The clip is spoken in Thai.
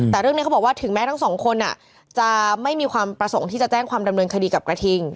แต่เรื่องนี้เขาบอกว่าถึงแม้ทั้งสองคนจะไม่มีความประสงค์ที่จะแจ้งความดำเนินคดีกับกระทิง